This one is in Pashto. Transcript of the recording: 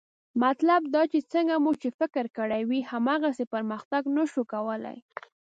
مطلب دا چې څنګه مو چې فکر کړی وي، هماغسې پرمختګ نه شو کولی